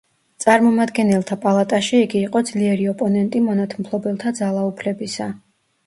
წარმომადგენელთა პალატაში იგი იყო ძლიერი ოპონენტი მონათმფლობელთა ძალაუფლებისა.